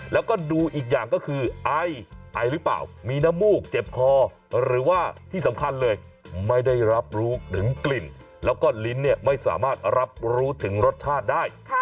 แล้วก็ดูอีกอย่างก็คือไอไอหรือเปล่ามีน้ำมูกเจ็บคอหรือว่าที่สำคัญเลยไม่ได้รับรู้ถึงกลิ่นแล้วก็ลิ้นเนี่ยไม่สามารถรับรู้ถึงรสชาติได้